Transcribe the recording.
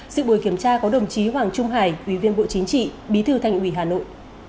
sự buổi kiểm tra có đồng chí hoàng trung hải ủy viên bộ chính trị bí thư thành ủy hà nội